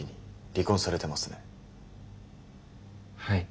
はい。